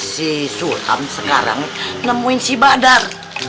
si suham sekarang nemuin si badar